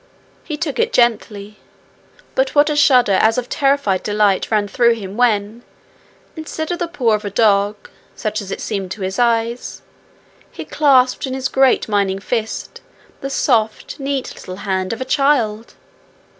He took it gently. But what a shudder, as of terrified delight, ran through him, when, instead of the paw of a dog, such as it seemed to his eyes, he clasped in his great mining fist the soft, neat little hand of a child!